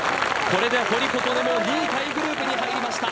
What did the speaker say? これで堀琴音も２位タイグループに入りました。